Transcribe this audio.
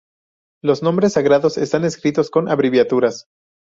Los nombres sagrados están escritos con abreviaturas.